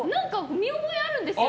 見覚えあるんですよ。